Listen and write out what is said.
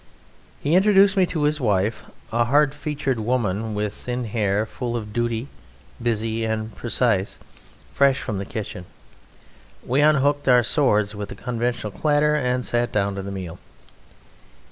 He introduced me to his wife, a hard featured woman, with thin hair, full of duty, busy and precise fresh from the kitchen. We unhooked our swords with the conventional clatter, and sat down to the meal.